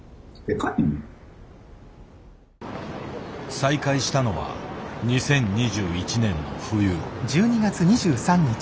再会したのは２０２１年の冬。